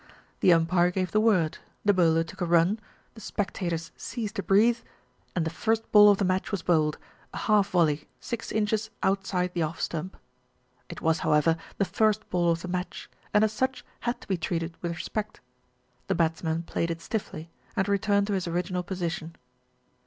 The umpire gave the word, the bowler took a run, the spectators ceased to breathe, and the first ball of the match was bowled, a half volley, six inches outside the off stump. It was, however, the first ball of the match, and as such had to be treated with respect. The batsman played it stiffly, and returned to his original position.